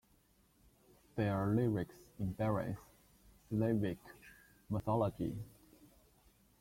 Their lyrics embrace Slavic mythology.